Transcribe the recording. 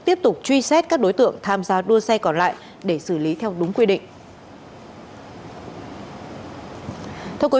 tiếp tục truy xét các đối tượng tham gia đua xe còn lại để xử lý theo đúng quy định